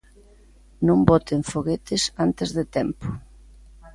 Non boten foguetes antes de tempo.